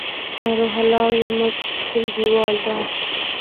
روح الله زمونږ ټولګیوال ده